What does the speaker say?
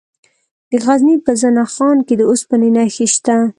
د غزني په زنه خان کې د اوسپنې نښې شته.